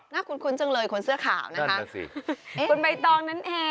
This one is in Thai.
น่าคุ้นจังเลยคนเสื้อข่าวคุณใบตองนั้นแห้ง